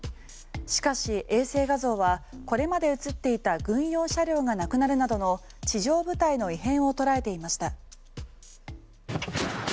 しかし、衛星画像はこれまで写っていた軍用車両がなくなるなどの地上部隊の異変を捉えていました。